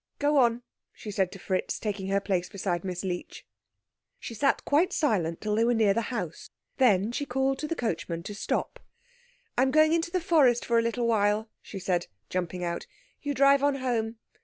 "Go on," she said to Fritz, taking her place beside Miss Leech. She sat quite silent till they were near the house. Then she called to the coachman to stop. "I am going into the forest for a little while," she said, jumping out "You drive on home."